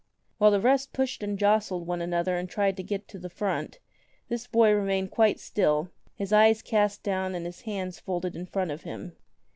While the rest pushed and jostled one another and tried to get to the front, this boy remained quite still, his eyes cast down and his hands folded in front of him.